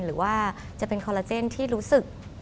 หรือว่าจะเป็นคอลลาเจนที่รู้สึก